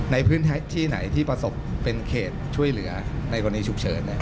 ในพื้นที่ไหนที่ประสบเป็นเขตช่วยเหลือในกรณีฉุกเฉิน